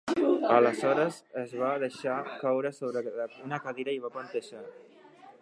Aleshores es va deixar caure sobre una cadira i va panteixar.